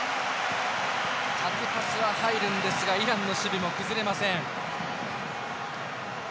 縦パスは入るんですがイランの守備も崩れません。